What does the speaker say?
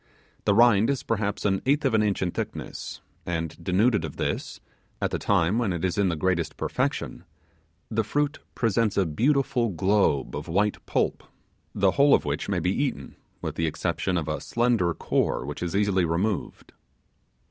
The rind is perhaps an eighth of an inch in thickness; and denuded of this at the time when it is in the greatest perfection, the fruit presents a beautiful globe of white pulp, the whole of which may be eaten, with the exception of a slender core, which is easily removed.